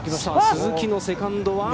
鈴木のセカンドは。